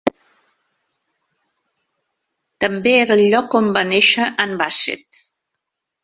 També era el lloc on va néixer Ann Bassett.